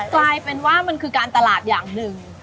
กลายเป็นว่ามันคือการตลาดอย่างหนึ่ง